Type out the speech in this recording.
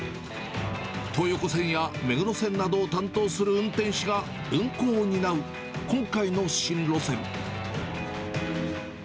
東横線や目黒線などを担当する運転士が運行を担う今回の新路線。